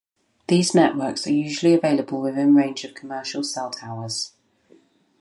These networks are usually available within range of commercial cell towers.